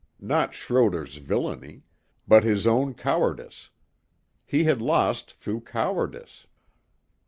Not Schroder's villainy, but his own cowardice. He had lost through cowardice.